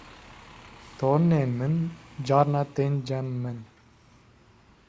tornên min carna tên cem min